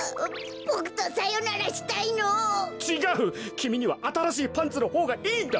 きみにはあたらしいパンツのほうがいいんだ。